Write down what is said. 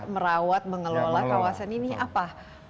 merawat mengelola kawasan ini apa